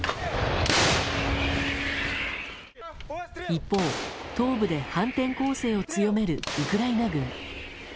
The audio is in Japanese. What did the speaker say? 一方、東部で反転攻勢を強めるウクライナ軍。